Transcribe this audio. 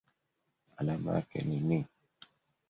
Alama yake ni Ni.